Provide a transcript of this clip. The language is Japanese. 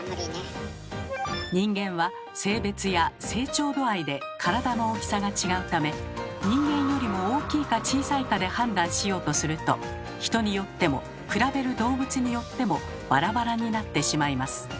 人間は性別や成長度合いで体の大きさが違うため人間よりも大きいか小さいかで判断しようとすると人によっても比べる動物によってもバラバラになってしまいます。